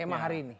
tema hari ini